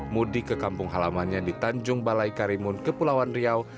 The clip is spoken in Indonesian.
mudik ke kampung halamannya di tanjung balai karimun kepulauan riau